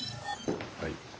はい。